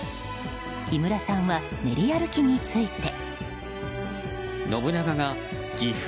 木村さんは練り歩きについて。